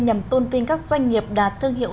nhằm tôn tin các doanh nghiệp đạt thương hiệu